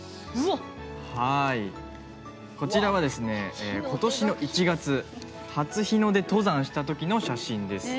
こちらは、今年の１月初日の出登山した時の写真です。